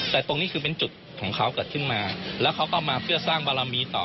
แต่ตรงนี้คือเป็นจุดของเขาเกิดขึ้นมาแล้วเขาก็มาเพื่อสร้างบารมีต่อ